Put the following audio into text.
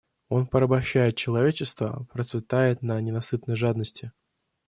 Он порабощает человечество, процветает на ненасытной жадности.